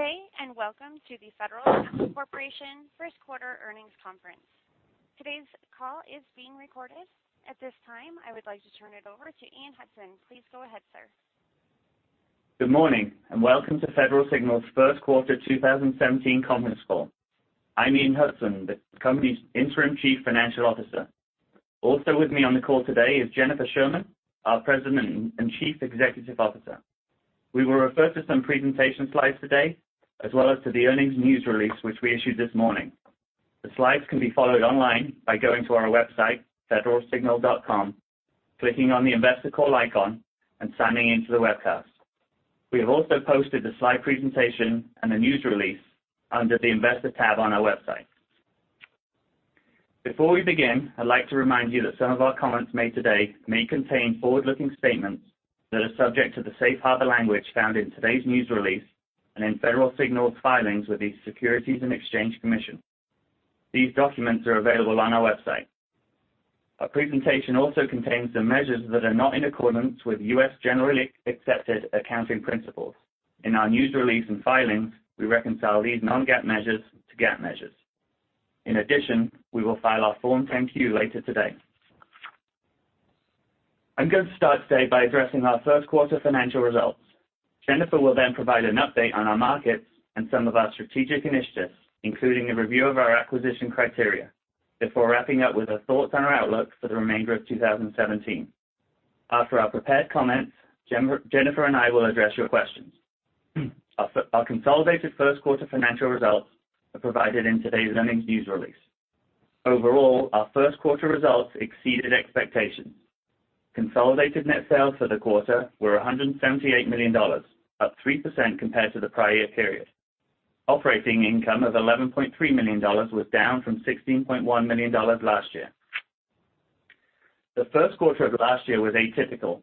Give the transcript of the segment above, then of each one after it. Good day, and welcome to the Federal Signal Corporation first quarter earnings conference. Today's call is being recorded. At this time, I would like to turn it over to Ian Hudson. Please go ahead, sir. Good morning, and welcome to Federal Signal's first quarter 2017 conference call. I'm Ian Hudson, the company's interim Chief Financial Officer. Also with me on the call today is Jennifer Sherman, our President and Chief Executive Officer. We will refer to some presentation slides today, as well as to the earnings news release, which we issued this morning. The slides can be followed online by going to our website, federalsignal.com, clicking on the investor call icon, and signing into the webcast. We have also posted the slide presentation and the news release under the investor tab on our website. Before we begin, I'd like to remind you that some of our comments made today may contain forward-looking statements that are subject to the safe harbor language found in today's news release and in Federal Signal's filings with the Securities and Exchange Commission. These documents are available on our website. Our presentation also contains some measures that are not in accordance with U.S. generally accepted accounting principles. In our news release and filings, we reconcile these non-GAAP measures to GAAP measures. We will file our Form 10-Q later today. I'm going to start today by addressing our first quarter financial results. Jennifer will provide an update on our markets and some of our strategic initiatives, including a review of our acquisition criteria, before wrapping up with her thoughts on our outlook for the remainder of 2017. After our prepared comments, Jennifer and I will address your questions. Our consolidated first quarter financial results are provided in today's earnings news release. Overall, our first quarter results exceeded expectations. Consolidated net sales for the quarter were $178 million, up 3% compared to the prior year period. Operating income of $11.3 million was down from $16.1 million last year. The first quarter of last year was atypical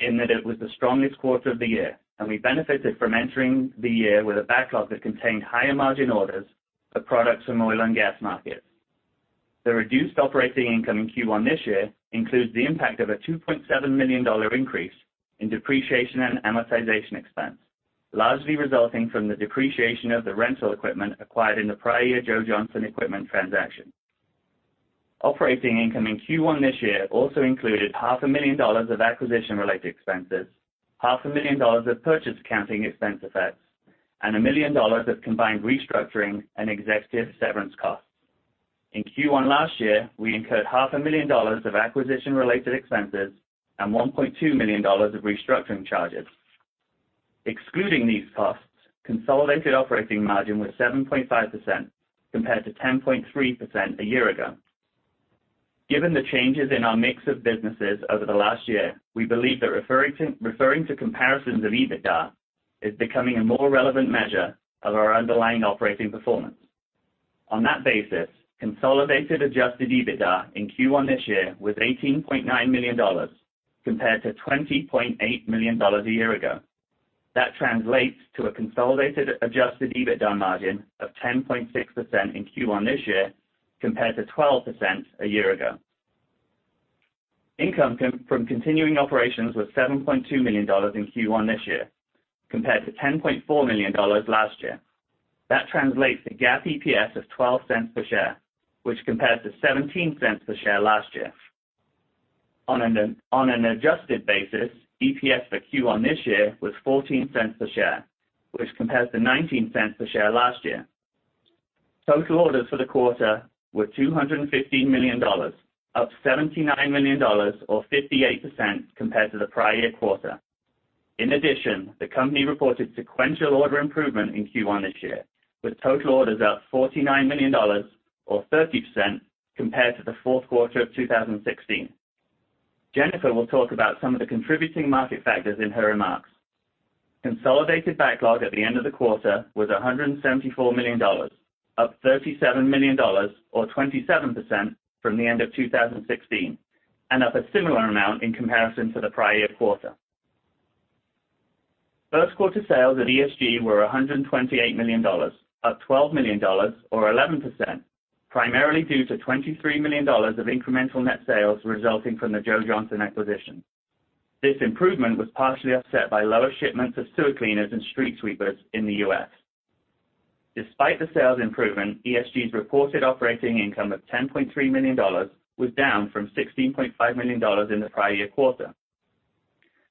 in that it was the strongest quarter of the year, and we benefited from entering the year with a backlog that contained higher margin orders of products from oil and gas markets. The reduced operating income in Q1 this year includes the impact of a $2.7 million increase in depreciation and amortization expense, largely resulting from the depreciation of the rental equipment acquired in the prior year Joe Johnson Equipment transaction. Operating income in Q1 this year also included $500,000 of acquisition-related expenses, $500,000 of purchase accounting expense effects, and $1 million of combined restructuring and executive severance costs. Q1 last year, we incurred $500,000 of acquisition-related expenses and $1.2 million of restructuring charges. Excluding these costs, consolidated operating margin was 7.5% compared to 10.3% a year ago. Given the changes in our mix of businesses over the last year, we believe that referring to comparisons of EBITDA is becoming a more relevant measure of our underlying operating performance. On that basis, consolidated adjusted EBITDA in Q1 this year was $18.9 million, compared to $20.8 million a year ago. That translates to a consolidated adjusted EBITDA margin of 10.6% in Q1 this year, compared to 12% a year ago. Income from continuing operations was $7.2 million in Q1 this year, compared to $10.4 million last year. That translates to GAAP EPS of $0.12 per share, which compares to $0.17 per share last year. On an adjusted basis, EPS for Q1 this year was $0.14 per share, which compares to $0.19 per share last year. Total orders for the quarter were $215 million, up $79 million or 58% compared to the prior year quarter. The company reported sequential order improvement in Q1 this year, with total orders up $49 million or 30% compared to the fourth quarter of 2016. Jennifer will talk about some of the contributing market factors in her remarks. Consolidated backlog at the end of the quarter was $174 million, up $37 million or 27% from the end of 2016, and up a similar amount in comparison to the prior year quarter. First quarter sales at ESG were $128 million, up $12 million or 11%, primarily due to $23 million of incremental net sales resulting from the Joe Johnson acquisition. This improvement was partially offset by lower shipments of sewer cleaners and street sweepers in the U.S. Despite the sales improvement, ESG's reported operating income of $10.3 million was down from $16.5 million in the prior year quarter.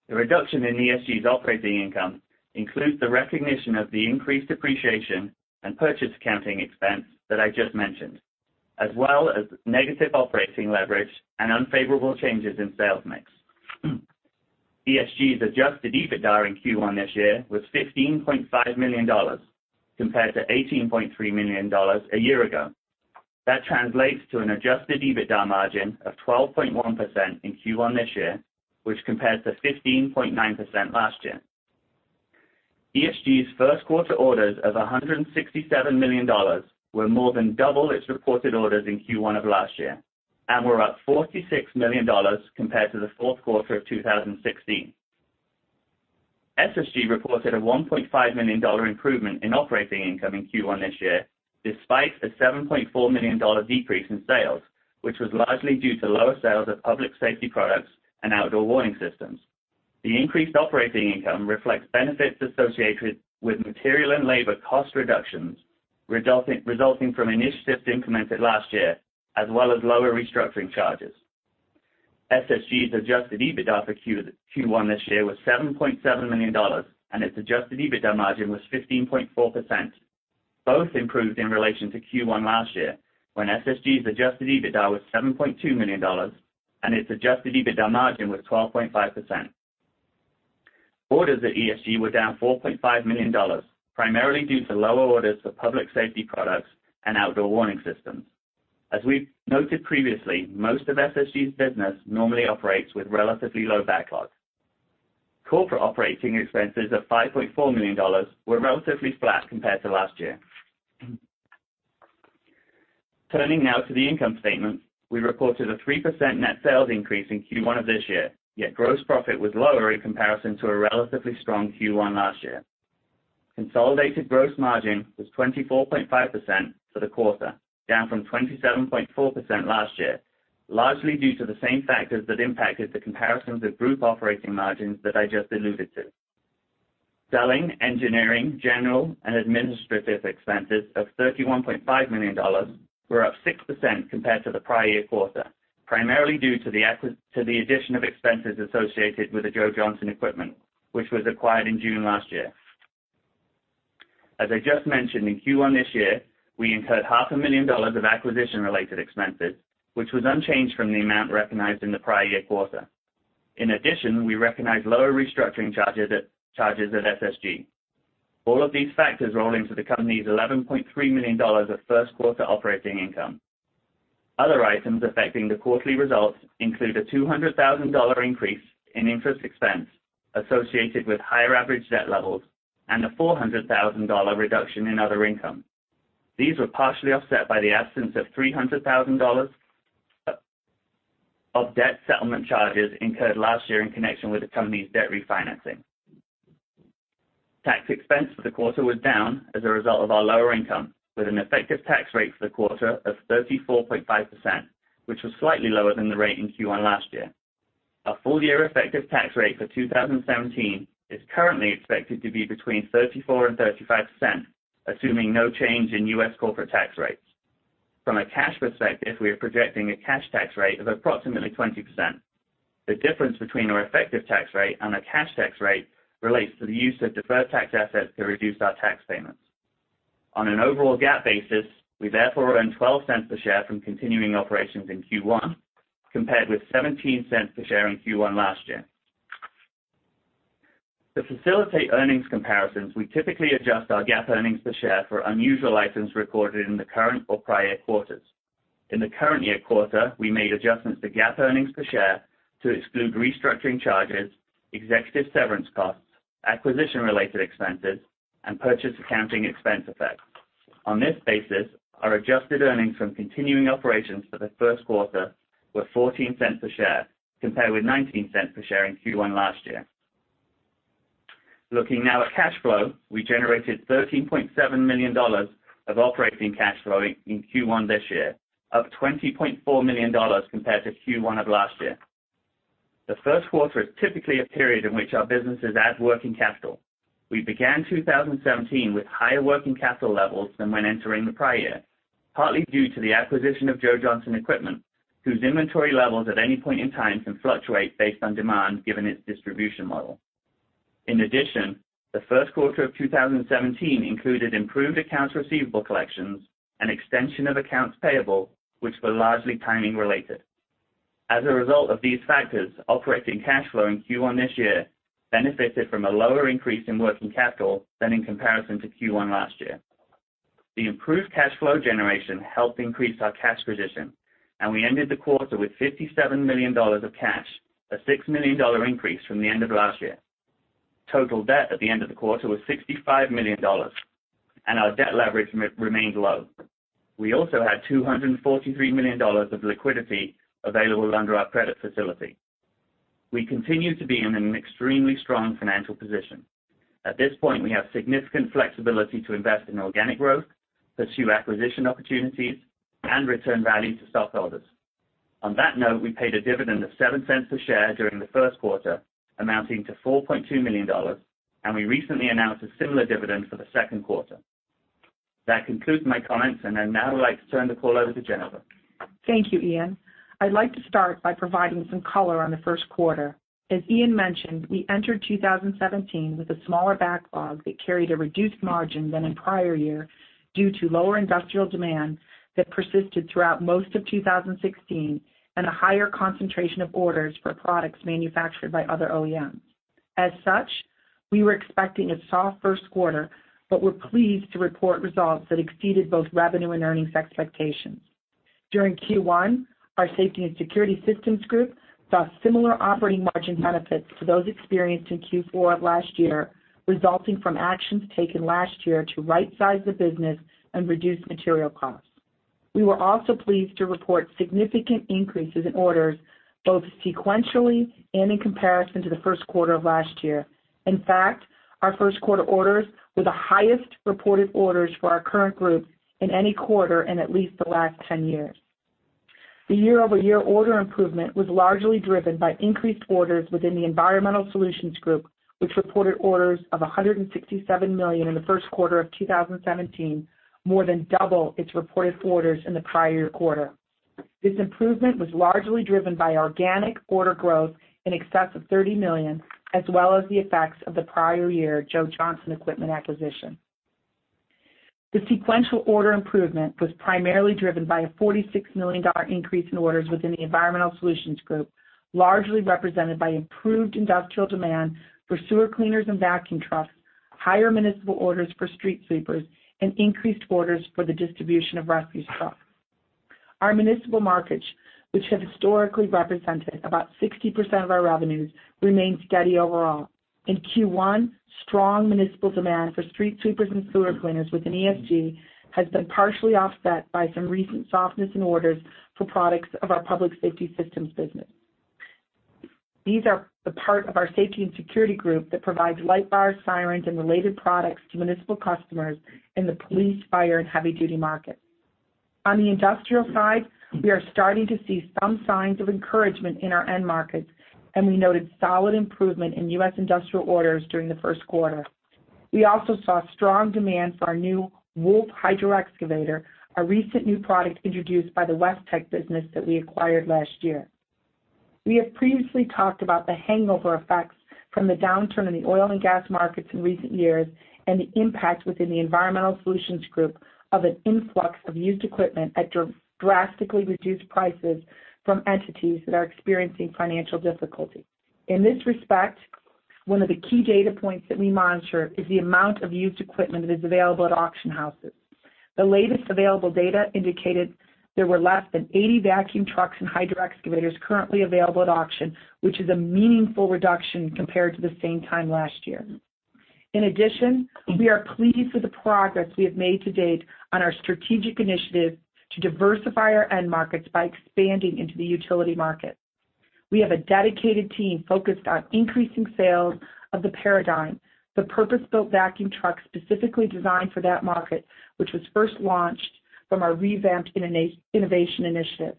The reduction in ESG's operating income includes the recognition of the increased depreciation and purchase accounting expense that I just mentioned, as well as negative operating leverage and unfavorable changes in sales mix. ESG's adjusted EBITDA in Q1 this year was $15.5 million compared to $18.3 million a year ago. That translates to an adjusted EBITDA margin of 12.1% in Q1 this year, which compares to 15.9% last year. ESG's first quarter orders of $167 million were more than double its reported orders in Q1 of last year and were up $46 million compared to the fourth quarter of 2016. SSG reported a $1.5 million improvement in operating income in Q1 this year, despite a $7.4 million decrease in sales, which was largely due to lower sales of public safety products and outdoor warning systems. The increased operating income reflects benefits associated with material and labor cost reductions resulting from initiatives implemented last year, as well as lower restructuring charges. SSG's adjusted EBITDA for Q1 this year was $7.7 million, and its adjusted EBITDA margin was 15.4%. Both improved in relation to Q1 last year, when SSG's adjusted EBITDA was $7.2 million and its adjusted EBITDA margin was 12.5%. Orders at SSG were down $4.5 million, primarily due to lower orders for public safety products and outdoor warning systems. As we've noted previously, most of SSG's business normally operates with relatively low backlogs. Corporate operating expenses of $5.4 million were relatively flat compared to last year. Turning now to the income statement. We reported a 3% net sales increase in Q1 of this year, yet gross profit was lower in comparison to a relatively strong Q1 last year. Consolidated gross margin was 24.5% for the quarter, down from 27.4% last year, largely due to the same factors that impacted the comparisons of group operating margins that I just alluded to. Selling, engineering, general, and administrative expenses of $31.5 million were up 6% compared to the prior year quarter, primarily due to the addition of expenses associated with the Joe Johnson Equipment, which was acquired in June last year. As I just mentioned, in Q1 this year, we incurred half a million dollars of acquisition related expenses, which was unchanged from the amount recognized in the prior year quarter. In addition, we recognized lower restructuring charges at SSG. All of these factors roll into the company's $11.3 million of first quarter operating income. Other items affecting the quarterly results include a $200,000 increase in interest expense associated with higher average debt levels and a $400,000 reduction in other income. These were partially offset by the absence of $300,000 of debt settlement charges incurred last year in connection with the company's debt refinancing. Tax expense for the quarter was down as a result of our lower income, with an effective tax rate for the quarter of 34.5%, which was slightly lower than the rate in Q1 last year. Our full year effective tax rate for 2017 is currently expected to be between 34% and 35%, assuming no change in U.S. corporate tax rates. From a cash perspective, we are projecting a cash tax rate of approximately 20%. The difference between our effective tax rate and a cash tax rate relates to the use of deferred tax assets to reduce our tax payments. On an overall GAAP basis, we therefore earned $0.12 per share from continuing operations in Q1, compared with $0.17 per share in Q1 last year. To facilitate earnings comparisons, we typically adjust our GAAP earnings per share for unusual items recorded in the current or prior year quarters. In the current year quarter, we made adjustments to GAAP earnings per share to exclude restructuring charges, executive severance costs, acquisition related expenses, and purchase accounting expense effects. On this basis, our adjusted earnings from continuing operations for the first quarter were $0.14 per share, compared with $0.19 per share in Q1 last year. Looking now at cash flow. We generated $13.7 million of operating cash flow in Q1 this year, up $20.4 million compared to Q1 of last year. The first quarter is typically a period in which our business is at working capital. We began 2017 with higher working capital levels than when entering the prior year, partly due to the acquisition of Joe Johnson Equipment, whose inventory levels at any point in time can fluctuate based on demand given its distribution model. In addition, the first quarter of 2017 included improved accounts receivable collections and extension of accounts payable, which were largely timing related. As a result of these factors, operating cash flow in Q1 this year benefited from a lower increase in working capital than in comparison to Q1 last year. The improved cash flow generation helped increase our cash position, and we ended the quarter with $57 million of cash, a $6 million increase from the end of last year. Total debt at the end of the quarter was $65 million, and our debt leverage remains low. We also had $243 million of liquidity available under our credit facility. We continue to be in an extremely strong financial position. At this point, we have significant flexibility to invest in organic growth, pursue acquisition opportunities, and return value to stockholders. On that note, we paid a dividend of $0.07 per share during the first quarter, amounting to $4.2 million, and we recently announced a similar dividend for the second quarter. That concludes my comments, and I'd now like to turn the call over to Jennifer. Thank you, Ian. I'd like to start by providing some color on the first quarter. As Ian mentioned, we entered 2017 with a smaller backlog that carried a reduced margin than in prior year, due to lower industrial demand that persisted throughout most of 2016, and a higher concentration of orders for products manufactured by other OEMs. As such, we were expecting a soft first quarter, but we're pleased to report results that exceeded both revenue and earnings expectations. During Q1, our Safety and Security Systems group saw similar operating margin benefits to those experienced in Q4 of last year, resulting from actions taken last year to right size the business and reduce material costs. We were also pleased to report significant increases in orders both sequentially and in comparison to the first quarter of last year. In fact, our first quarter orders were the highest reported orders for our current group in any quarter in at least the last 10 years. The year-over-year order improvement was largely driven by increased orders within the Environmental Solutions Group, which reported orders of $167 million in the first quarter of 2017, more than double its reported orders in the prior quarter. This improvement was largely driven by organic order growth in excess of $30 million, as well as the effects of the prior year Joe Johnson Equipment acquisition. The sequential order improvement was primarily driven by a $46 million increase in orders within the Environmental Solutions Group, largely represented by improved industrial demand for sewer cleaners and vacuum trucks, higher municipal orders for street sweepers, and increased orders for the distribution of refuse trucks. Our municipal markets, which have historically represented about 60% of our revenues, remain steady overall. In Q1, strong municipal demand for street sweepers and sewer cleaners within ESG has been partially offset by some recent softness in orders for products of our Public Safety Systems business. These are the part of our Safety and Security Systems group that provides light bars, sirens, and related products to municipal customers in the police, fire, and heavy-duty markets. On the industrial side, we are starting to see some signs of encouragement in our end markets, and we noted solid improvement in U.S. industrial orders during the first quarter. We also saw strong demand for our new Wolf hydro-excavator, a recent new product introduced by the Westech business that we acquired last year. We have previously talked about the hangover effects from the downturn in the oil and gas markets in recent years and the impact within the Environmental Solutions Group of an influx of used equipment at drastically reduced prices from entities that are experiencing financial difficulty. In this respect, one of the key data points that we monitor is the amount of used equipment that is available at auction houses. The latest available data indicated there were less than 80 vacuum trucks and hydro-excavators currently available at auction, which is a meaningful reduction compared to the same time last year. In addition, we are pleased with the progress we have made to date on our strategic initiatives to diversify our end markets by expanding into the utility market. We have a dedicated team focused on increasing sales of the Paradigm, the purpose-built vacuum truck specifically designed for that market, which was first launched from our revamped innovation initiative.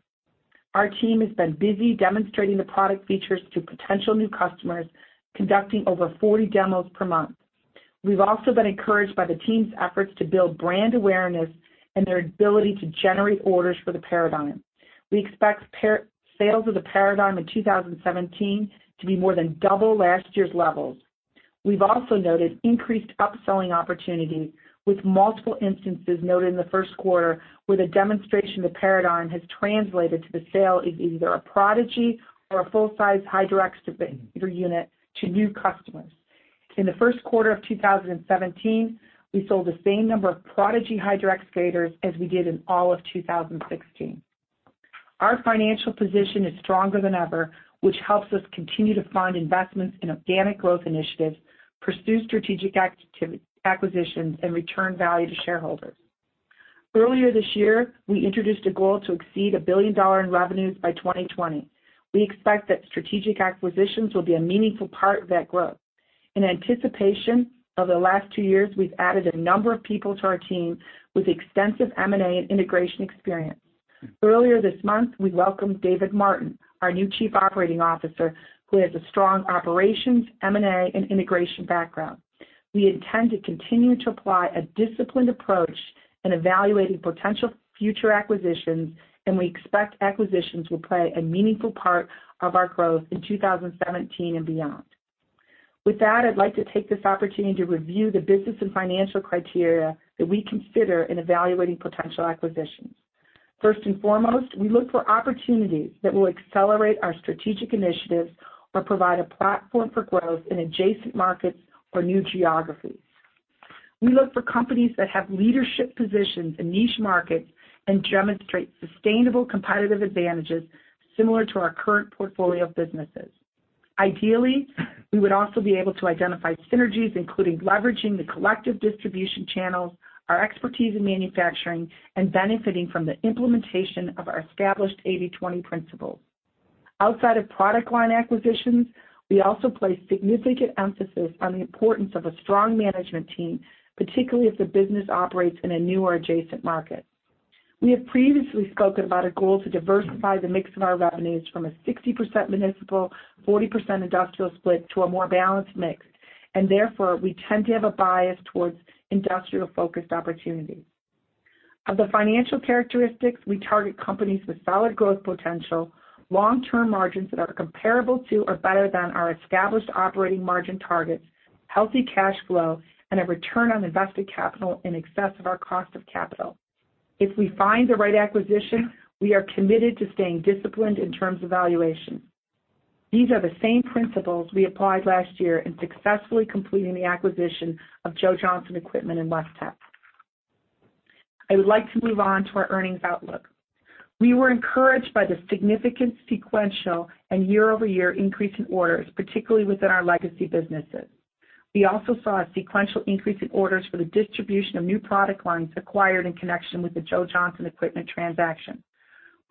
Our team has been busy demonstrating the product features to potential new customers, conducting over 40 demos per month. We've also been encouraged by the team's efforts to build brand awareness and their ability to generate orders for the Paradigm. We expect sales of the Paradigm in 2017 to be more than double last year's levels. We've also noted increased upselling opportunities with multiple instances noted in the first quarter where the demonstration of Paradigm has translated to the sale of either a Prodigy or a full-size hydro excavator unit to new customers. In the first quarter of 2017, we sold the same number of Prodigy hydro-excavators as we did in all of 2016. Our financial position is stronger than ever, which helps us continue to fund investments in organic growth initiatives, pursue strategic acquisitions, and return value to shareholders. Earlier this year, we introduced a goal to exceed a billion-dollar in revenues by 2020. We expect that strategic acquisitions will be a meaningful part of that growth. In anticipation of the last two years, we've added a number of people to our team with extensive M&A and integration experience. Earlier this month, we welcomed David Martin, our new Chief Operating Officer, who has a strong operations, M&A, and integration background. We intend to continue to apply a disciplined approach in evaluating potential future acquisitions, and we expect acquisitions will play a meaningful part of our growth in 2017 and beyond. With that, I'd like to take this opportunity to review the business and financial criteria that we consider in evaluating potential acquisitions. First and foremost, we look for opportunities that will accelerate our strategic initiatives or provide a platform for growth in adjacent markets or new geographies. We look for companies that have leadership positions in niche markets and demonstrate sustainable competitive advantages similar to our current portfolio of businesses. Ideally, we would also be able to identify synergies, including leveraging the collective distribution channels, our expertise in manufacturing, and benefiting from the implementation of our established 80/20 principles. Outside of product line acquisitions, we also place significant emphasis on the importance of a strong management team, particularly if the business operates in a new or adjacent market. We have previously spoken about a goal to diversify the mix of our revenues from a 60% municipal, 40% industrial split to a more balanced mix, and therefore, we tend to have a bias towards industrial-focused opportunities. Of the financial characteristics, we target companies with solid growth potential, long-term margins that are comparable to or better than our established operating margin targets, healthy cash flow, and a return on invested capital in excess of our cost of capital. If we find the right acquisition, we are committed to staying disciplined in terms of valuation. These are the same principles we applied last year in successfully completing the acquisition of Joe Johnson Equipment and Westech. I would like to move on to our earnings outlook. We were encouraged by the significant sequential and year-over-year increase in orders, particularly within our legacy businesses. We also saw a sequential increase in orders for the distribution of new product lines acquired in connection with the Joe Johnson Equipment transaction.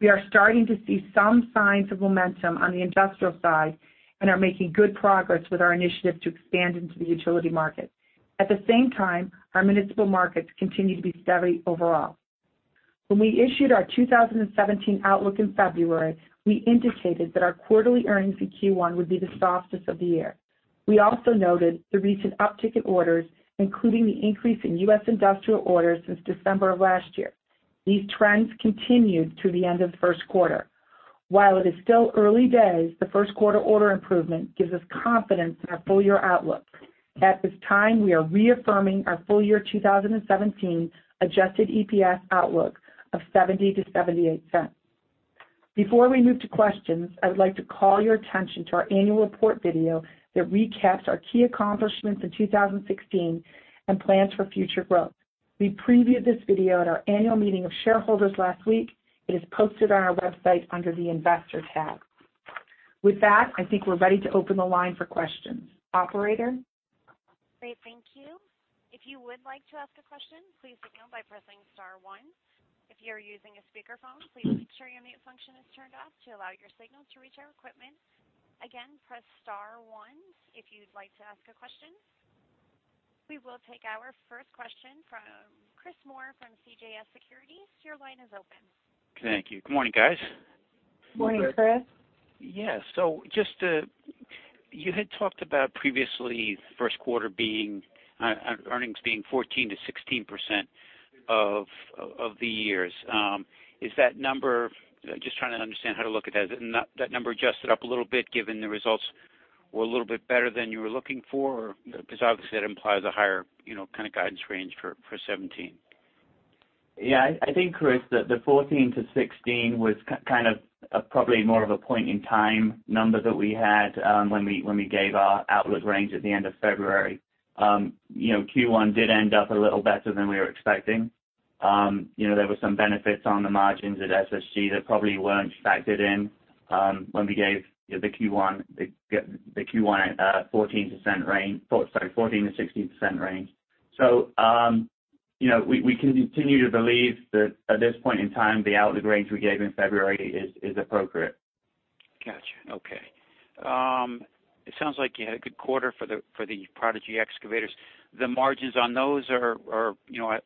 We are starting to see some signs of momentum on the industrial side and are making good progress with our initiative to expand into the utility market. At the same time, our municipal markets continue to be steady overall. When we issued our 2017 outlook in February, we indicated that our quarterly earnings in Q1 would be the softest of the year. We also noted the recent uptick in orders, including the increase in U.S. industrial orders since December of last year. These trends continued through the end of the first quarter. While it is still early days, the first-quarter order improvement gives us confidence in our full-year outlook. At this time, we are reaffirming our full-year 2017 adjusted EPS outlook of $0.70 to $0.78. Before we move to questions, I would like to call your attention to our annual report video that recaps our key accomplishments in 2016 and plans for future growth. We previewed this video at our annual meeting of shareholders last week. It is posted on our website under the Investor tab. With that, I think we're ready to open the line for questions. Operator? Great. Thank you. If you would like to ask a question, please signal by pressing star one. If you're using a speakerphone, please make sure your mute function is turned off to allow your signal to reach our equipment. Again, press star one if you'd like to ask a question. We will take our first question from Chris Moore from CJS Securities. Your line is open. Thank you. Good morning, guys. Morning, Chris. You had talked about previously first quarter earnings being 14%-16% of the year's. Just trying to understand how to look at that. Is that number adjusted up a little bit given the results were a little bit better than you were looking for? Obviously, that implies a higher kind of guidance range for 2017. I think, Chris, the 14%-16% was kind of probably more of a point-in-time number that we had when we gave our outlook range at the end of February. Q1 did end up a little better than we were expecting. There were some benefits on the margins at SSG that probably weren't factored in when we gave the Q1 at 14%-16% range. We continue to believe that at this point in time, the outlook range we gave in February is appropriate. Got you. Okay. It sounds like you had a good quarter for the Prodigy excavators. The margins on those are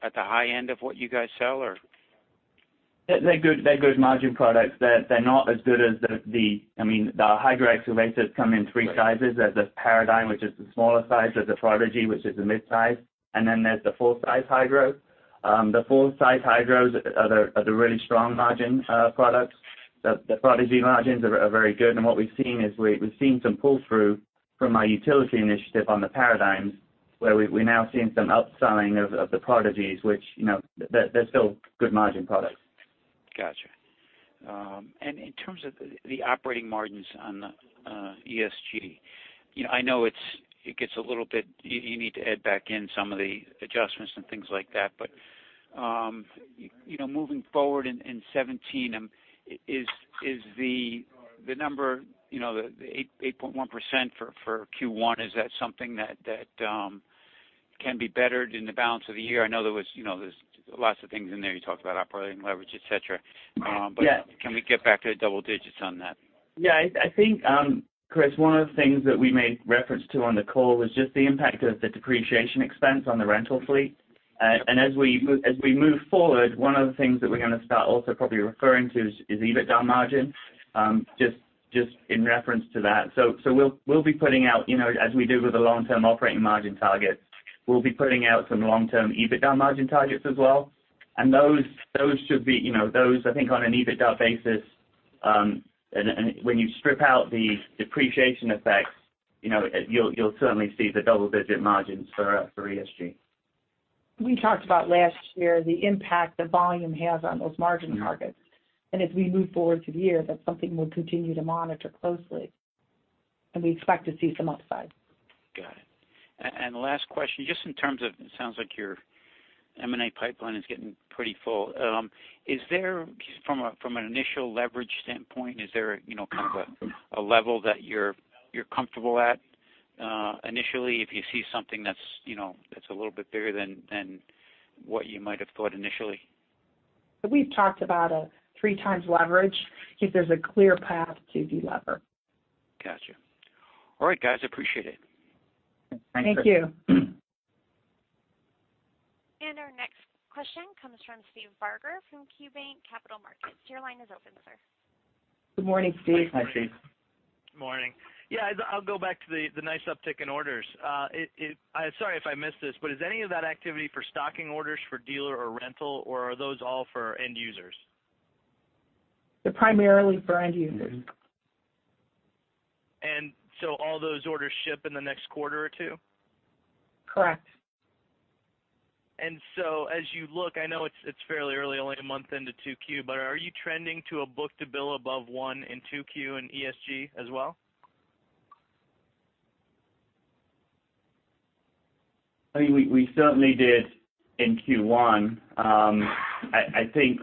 at the high end of what you guys sell, or? They're good margin products. They're not as good as the hydro-excavators come in three sizes. There's the Paradigm, which is the smaller size. There's the Prodigy, which is the mid-size. Then there's the full-size hydro. The full-size hydros are the really strong margin products. The Prodigy margins are very good, and what we've seen is we've seen some pull-through from our utility initiative on the Paradigms, where we're now seeing some upselling of the Prodigies, which they're still good margin products. Got you. In terms of the operating margins on the ESG, I know it gets a little bit, you need to add back in some of the adjustments and things like that. Moving forward in 2017, is the number, the 8.1% for Q1, is that something that can be bettered in the balance of the year? I know there's lots of things in there. You talked about operating leverage, et cetera. Yes. Can we get back to double digits on that? Yes. I think, Chris, one of the things that we made reference to on the call was just the impact of the depreciation expense on the rental fleet. As we move forward, one of the things that we're going to start also probably referring to is EBITDA margin, just in reference to that. We'll be putting out, as we do with the long-term operating margin targets, we'll be putting out some long-term EBITDA margin targets as well. Those should be, I think on an EBITDA basis, and when you strip out the depreciation effects, you'll certainly see the double-digit margins for ESG. We talked about last year the impact that volume has on those margin targets. As we move forward through the year, that's something we'll continue to monitor closely. We expect to see some upside. Got it. Last question, just in terms of, it sounds like your M&A pipeline is getting pretty full. From an initial leverage standpoint, is there kind of a level that you're comfortable at initially if you see something that's a little bit bigger than what you might have thought initially? We've talked about a three times leverage if there's a clear path to delever. Got you. All right, guys, appreciate it. Thanks, Chris. Thank you. Our next question comes from Steve Dyer from KeyBanc Capital Markets. Your line is open, sir. Good morning, Steve. Hi, Steve. Good morning. Yeah, I'll go back to the nice uptick in orders. Sorry if I missed this, but is any of that activity for stocking orders for dealer or rental, or are those all for end users? They're primarily for end users. All those orders ship in the next quarter or two? Correct. As you look, I know it's fairly early, only a month into 2Q, but are you trending to a book-to-bill above one in 2Q in ESG as well? We certainly did in Q1. I think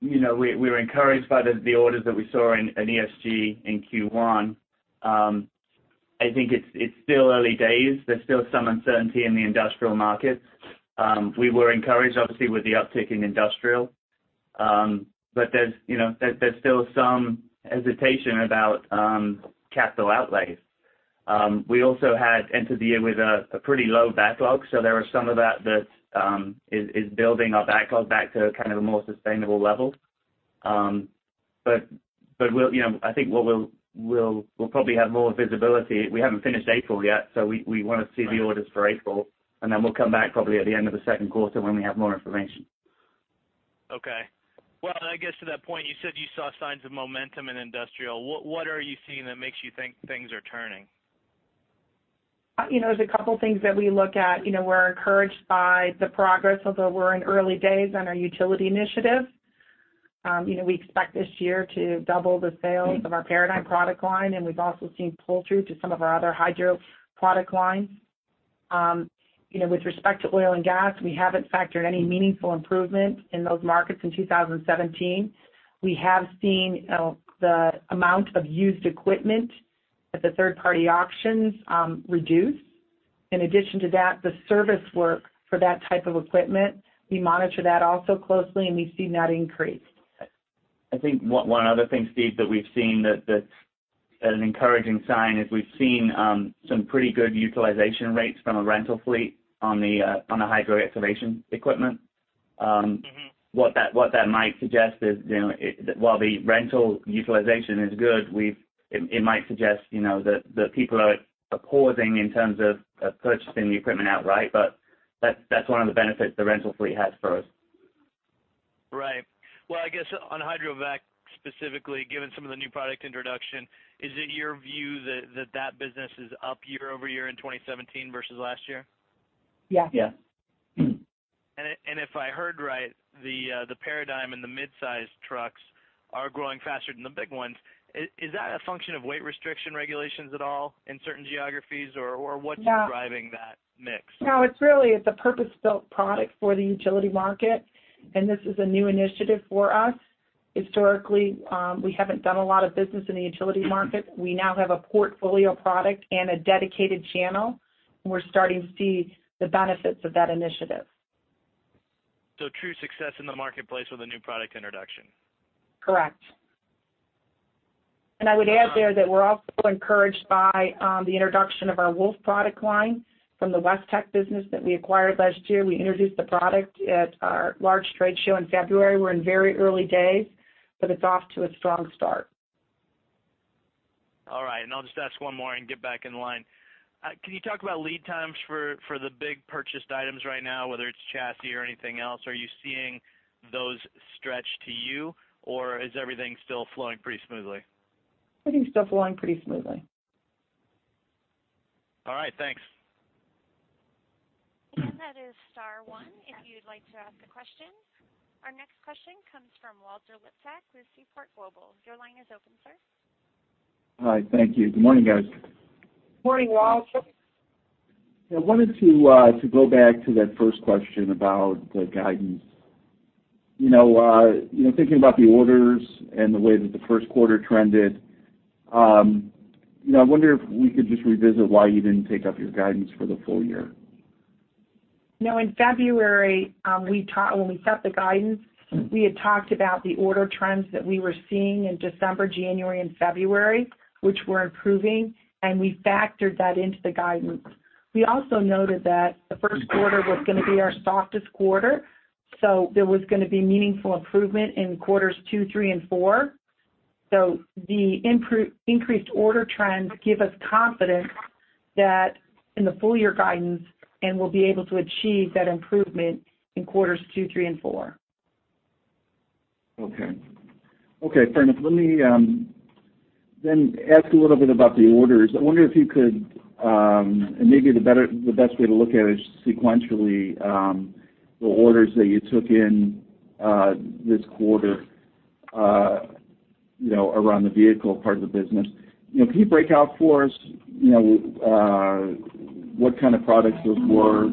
we're encouraged by the orders that we saw in ESG in Q1. I think it's still early days. There's still some uncertainty in the industrial market. We were encouraged, obviously, with the uptick in industrial. There's still some hesitation about capital outlays. We also had entered the year with a pretty low backlog, so there was some of that is building our backlog back to kind of a more sustainable level. I think we'll probably have more visibility. We haven't finished April yet, so we want to see the orders for April, and then we'll come back probably at the end of the second quarter when we have more information. Okay. Well, I guess to that point, you said you saw signs of momentum in industrial. What are you seeing that makes you think things are turning? There's a couple things that we look at. We're encouraged by the progress, although we're in early days on our utility initiative. We expect this year to double the sales of our Paradigm product line, we've also seen pull-through to some of our other hydro product lines. With respect to oil and gas, we haven't factored any meaningful improvement in those markets in 2017. We have seen the amount of used equipment at the third-party auctions reduce. In addition to that, the service work for that type of equipment, we monitor that also closely, and we've seen that increase. I think one other thing, Steve, that we've seen that's an encouraging sign is we've seen some pretty good utilization rates from a rental fleet on the hydro-excavation equipment. What that might suggest is while the rental utilization is good, it might suggest that the people are pausing in terms of purchasing the equipment outright. That's one of the benefits the rental fleet has for us. Right. Well, I guess on hydro vac specifically, given some of the new product introduction, is it your view that that business is up year-over-year in 2017 versus last year? Yes. Yes. If I heard right, the Paradigm and the mid-sized trucks are growing faster than the big ones. Is that a function of weight restriction regulations at all in certain geographies? No driving that mix? No, it's really, it's a purpose-built product for the utility market. This is a new initiative for us. Historically, we haven't done a lot of business in the utility market. We now have a portfolio product and a dedicated channel. We're starting to see the benefits of that initiative. True success in the marketplace with a new product introduction. Correct. I would add there that we're also encouraged by the introduction of our Wolf product line from the Westech business that we acquired last year. We introduced the product at our large trade show in February. We're in very early days, but it's off to a strong start. All right. I'll just ask one more and get back in line. Can you talk about lead times for the big purchased items right now, whether it's chassis or anything else? Are you seeing those stretch to you, or is everything still flowing pretty smoothly? I think still flowing pretty smoothly. All right. Thanks. That is star one if you'd like to ask a question. Our next question comes from Walter Liptak with Seaport Global. Your line is open, sir. Hi. Thank you. Good morning, guys. Morning, Walter. I wanted to go back to that first question about the guidance. Thinking about the orders and the way that the first quarter trended, I wonder if we could just revisit why you didn't take up your guidance for the full year. In February, when we set the guidance, we had talked about the order trends that we were seeing in December, January and February, which were improving, and we factored that into the guidance. We also noted that the first quarter was going to be our softest quarter, there was going to be meaningful improvement in quarters two, three, and four. The increased order trends give us confidence that in the full year guidance and we'll be able to achieve that improvement in quarters two, three, and four. Okay. In fairness, let me then ask a little bit about the orders. I wonder if you could, and maybe the best way to look at it sequentially, the orders that you took in this quarter around the vehicle part of the business. Can you break out for us what kind of products those were?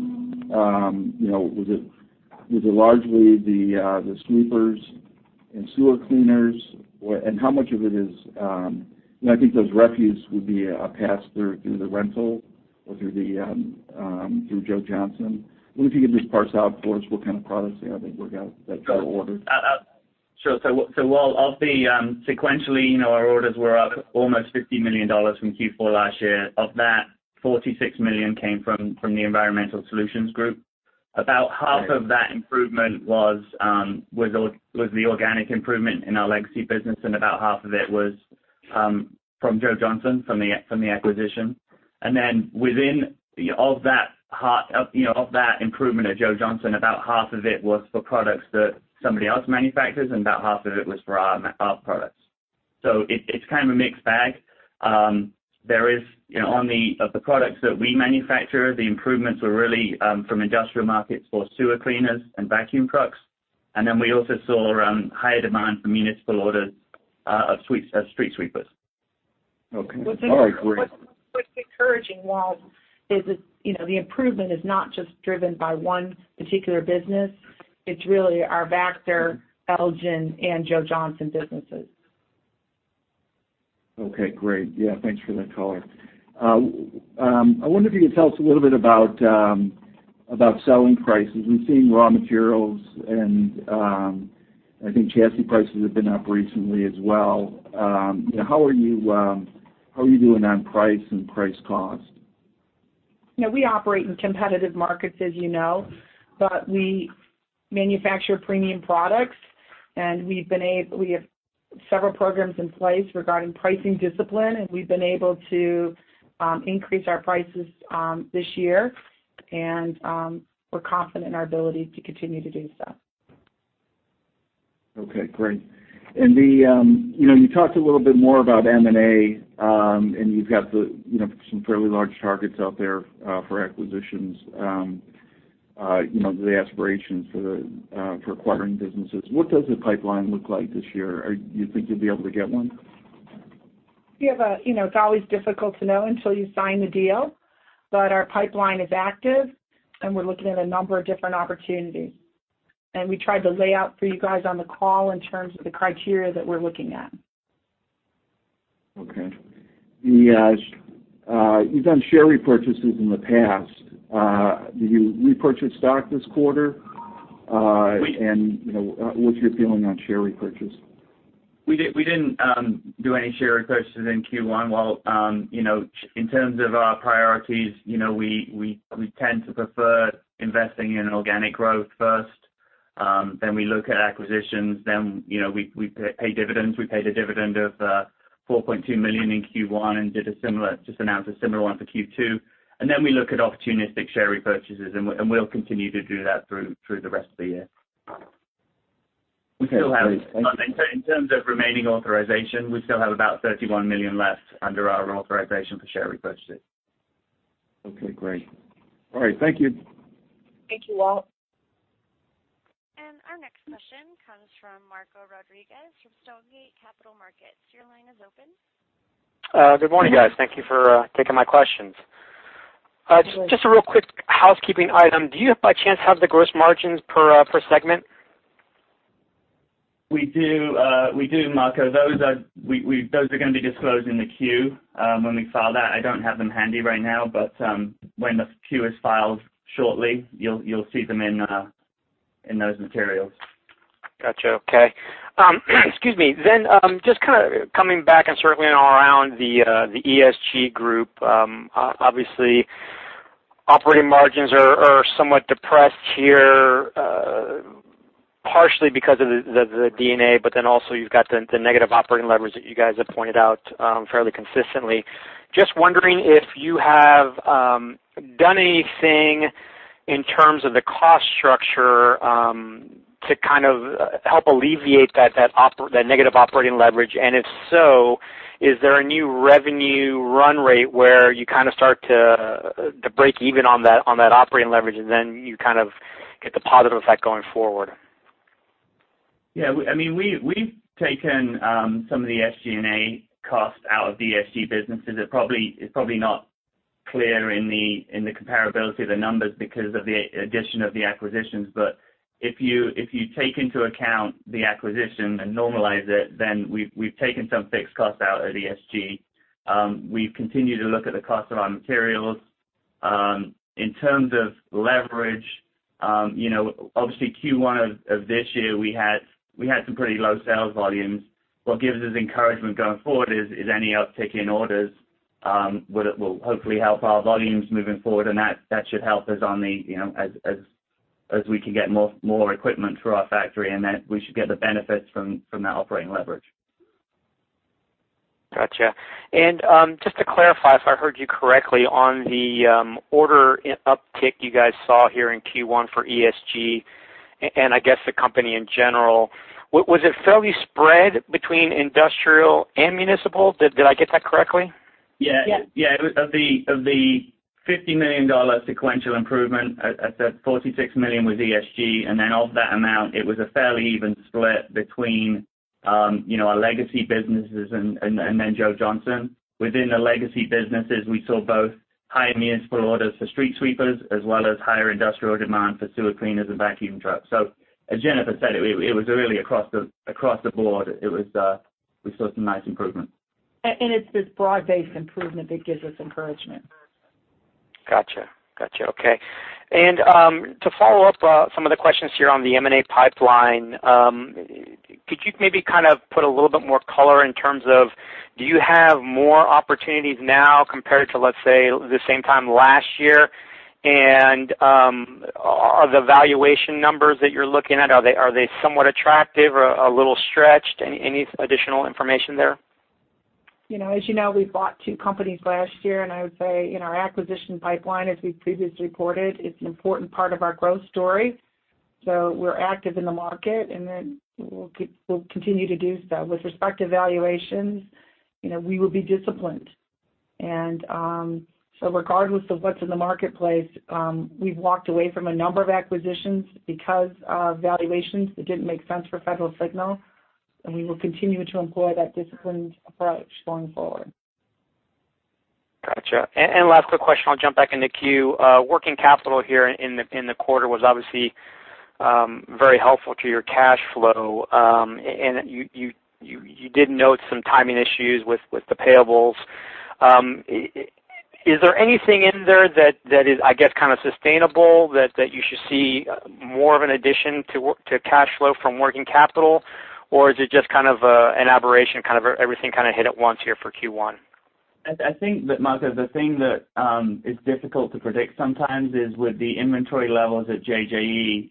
Was it largely the sweepers and sewer cleaners? How much of it is, I think those refuse would be a pass through the rental or through Joe Johnson. I wonder if you could just parse out for us what kind of products you have that were orders? Sure. While of the sequentially, our orders were up almost $50 million from Q4 last year. Of that, $46 million came from the Environmental Solutions Group. About half of that improvement was the organic improvement in our legacy business, and about half of it was from Joe Johnson, from the acquisition. Then within of that improvement at Joe Johnson, about half of it was for products that somebody else manufactures, and about half of it was for our products. It's kind of a mixed bag. Of the products that we manufacture, the improvements were really from industrial markets for sewer cleaners and vacuum trucks, and then we also saw higher demand for municipal orders of street sweepers. Okay. All right, great. What's encouraging, Walt, is the improvement is not just driven by one particular business. It's really our Vactor, Elgin, and Joe Johnson businesses. Okay, great. Yeah, thanks for that color. I wonder if you could tell us a little bit about selling prices. We've seen raw materials, and I think chassis prices have been up recently as well. How are you doing on price and price cost? We operate in competitive markets, as you know, but we manufacture premium products, and we have several programs in place regarding pricing discipline, and we've been able to increase our prices this year. We're confident in our ability to continue to do so. Okay, great. You talked a little bit more about M&A, and you've got some fairly large targets out there for acquisitions. The aspirations for acquiring businesses. What does the pipeline look like this year? You think you'll be able to get one? It's always difficult to know until you sign the deal, but our pipeline is active, and we're looking at a number of different opportunities. We tried to lay out for you guys on the call in terms of the criteria that we're looking at. Okay. You've done share repurchases in the past. Did you repurchase stock this quarter? What's your feeling on share repurchase? We didn't do any share repurchases in Q1. In terms of our priorities, we tend to prefer investing in organic growth first. We look at acquisitions. We pay dividends. We paid a dividend of $4.2 million in Q1 and just announced a similar one for Q2. We look at opportunistic share repurchases, and we'll continue to do that through the rest of the year. Okay, great. Thank you. In terms of remaining authorization, we still have about $31 million left under our authorization for share repurchases. Okay, great. All right. Thank you. Thank you, Walt. Our next question comes from Marco Rodriguez from Stonegate Capital Markets. Your line is open. Good morning, guys. Thank you for taking my questions. Just a real quick housekeeping item. Do you by chance have the gross margins per segment? We do, Marco. Those are going to be disclosed in the Q when we file that. I don't have them handy right now, but when the Q is filed shortly, you'll see them in those materials. Got you. Okay. Excuse me. Just kind of coming back and circling all around the ESG group. Obviously operating margins are somewhat depressed here, partially because of the D&A, but then also you've got the negative operating leverage that you guys have pointed out fairly consistently. Just wondering if you have done anything in terms of the cost structure to kind of help alleviate that negative operating leverage. If so, is there a new revenue run rate where you kind of start to break even on that operating leverage, and then you kind of get the positive effect going forward? Yeah, we've taken some of the SG&A costs out of the ESG businesses. It's probably not clear in the comparability of the numbers because of the addition of the acquisitions. If you take into account the acquisition and normalize it, we've taken some fixed costs out at ESG. We've continued to look at the cost of our materials. In terms of leverage, obviously Q1 of this year, we had some pretty low sales volumes. What gives us encouragement going forward is any uptick in orders will hopefully help our volumes moving forward, and that should help us as we can get more equipment through our factory, we should get the benefits from that operating leverage. Got you. Just to clarify if I heard you correctly, on the order uptick you guys saw here in Q1 for ESG, and I guess the company in general, was it fairly spread between industrial and municipal? Did I get that correctly? Yeah. Yeah. Of the $50 million sequential improvement, I'd say $46 million was ESG. Of that amount, it was a fairly even split between our legacy businesses and Joe Johnson. Within the legacy businesses, we saw both high municipal orders for street sweepers as well as higher industrial demand for sewer cleaners and vacuum trucks. As Jennifer said, it was really across the board. We saw some nice improvements. It's this broad-based improvement that gives us encouragement. Got you. Okay. To follow up some of the questions here on the M&A pipeline, could you maybe kind of put a little bit more color in terms of, do you have more opportunities now compared to, let's say, the same time last year? Are the valuation numbers that you're looking at, are they somewhat attractive or a little stretched? Any additional information there? As you know, we bought two companies last year. I would say in our acquisition pipeline, as we've previously reported, it's an important part of our growth story. We're active in the market, then we'll continue to do so. With respect to valuations, we will be disciplined. Regardless of what's in the marketplace, we've walked away from a number of acquisitions because of valuations that didn't make sense for Federal Signal, we will continue to employ that disciplined approach going forward. Gotcha. Last quick question, I'll jump back in the queue. Working capital here in the quarter was obviously very helpful to your cash flow. You did note some timing issues with the payables. Is there anything in there that is, I guess, kind of sustainable that you should see more of an addition to cash flow from working capital? Or is it just an aberration, kind of everything hit at once here for Q1? I think that, Marco, the thing that is difficult to predict sometimes is with the inventory levels at JJE.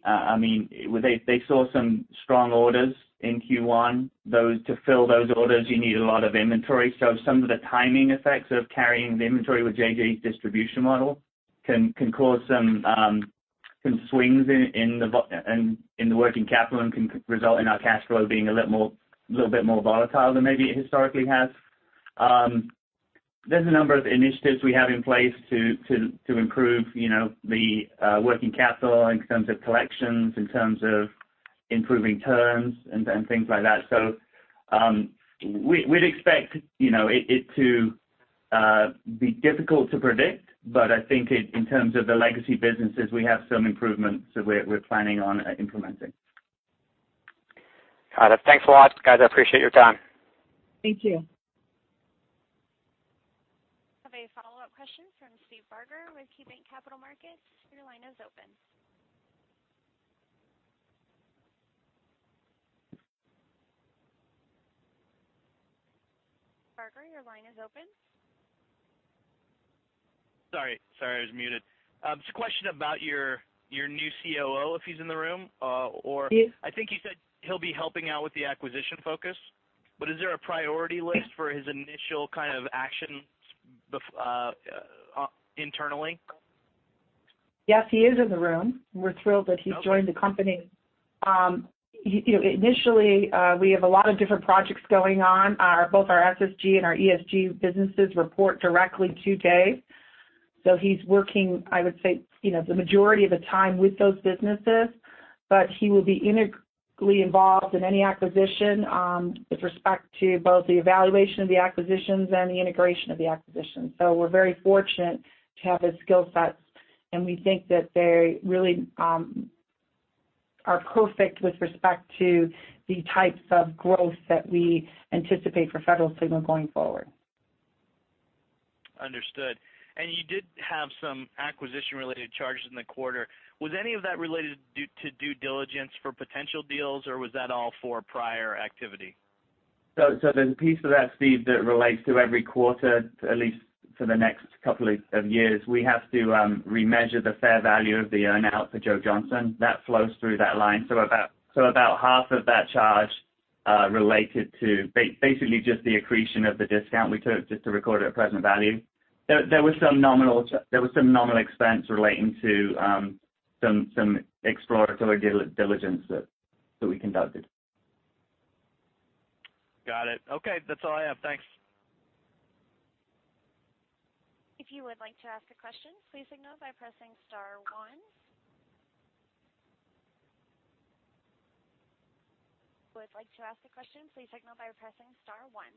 They saw some strong orders in Q1. To fill those orders, you need a lot of inventory. Some of the timing effects of carrying the inventory with JJE's distribution model can cause some swings in the working capital and can result in our cash flow being a little bit more volatile than maybe it historically has. There's a number of initiatives we have in place to improve the working capital in terms of collections, in terms of improving terms and things like that. We'd expect it to be difficult to predict, but I think in terms of the legacy businesses, we have some improvements that we're planning on implementing. Got it. Thanks a lot, guys. I appreciate your time. Thank you. We have a follow-up question from Steve Dyer with KeyBanc Capital Markets. Your line is open. Steve, your line is open. Sorry, I was muted. Just a question about your new COO, if he's in the room. He is. I think you said he'll be helping out with the acquisition focus, is there a priority list for his initial kind of actions internally? Yes, he is in the room. We're thrilled that he's joined the company. Initially, we have a lot of different projects going on. Both our SSG and our ESG businesses report directly to Dave. He's working, I would say, the majority of the time with those businesses, but he will be integrally involved in any acquisition with respect to both the evaluation of the acquisitions and the integration of the acquisitions. We're very fortunate to have his skill sets, and we think that they really are perfect with respect to the types of growth that we anticipate for Federal Signal going forward. Understood. You did have some acquisition-related charges in the quarter. Was any of that related to due diligence for potential deals, or was that all for prior activity? There's a piece of that, Steve, that relates to every quarter, at least for the next couple of years. We have to remeasure the fair value of the earn-out for Joe Johnson. That flows through that line. About half of that charge related to basically just the accretion of the discount we took just to record it at present value. There was some nominal expense relating to some exploratory due diligence that we conducted. Got it. Okay. That's all I have. Thanks. If you would like to ask a question, please signal by pressing star one. If you would like to ask a question, please signal by pressing star one.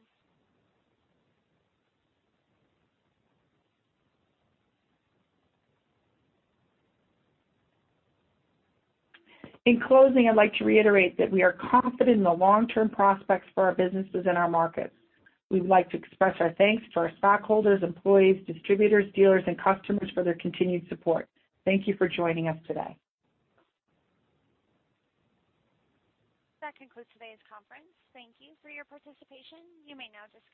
In closing, I'd like to reiterate that we are confident in the long-term prospects for our businesses and our markets. We would like to express our thanks to our stockholders, employees, distributors, dealers, and customers for their continued support. Thank you for joining us today. That concludes today's conference. Thank you for your participation. You may now disconnect.